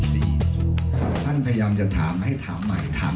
มีชวนคำถามนะดังนี่ครับ